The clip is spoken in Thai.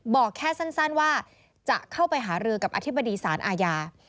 บอกแค่สั้นว่าจะเข้าไปหารือกับอธิบดีสารอาญา